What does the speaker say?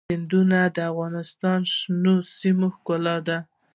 سیندونه د افغانستان د شنو سیمو ښکلا ده.